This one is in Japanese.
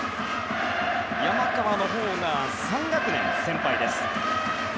山川のほうが３学年先輩です。